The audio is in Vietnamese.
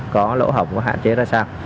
có lỗ hổng có hạn chế ra sao